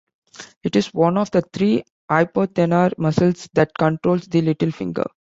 It is one of the three hypothenar muscles that controls the little finger.